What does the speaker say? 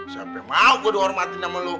siapa yang mau gue dihormatin sama lo